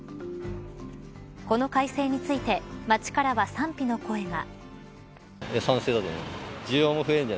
この改正について街からは賛否の声が。